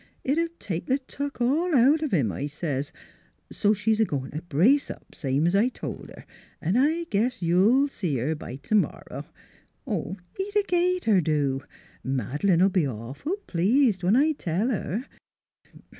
It'd take th' tuck all out of 'im,' I says. So she's a goin' t' brace up, same's I told her; an' I guess you'll see her b' t'morrow. ... Eat a gaiter, do! Mad'lane '11 be awful pleased when I tell her."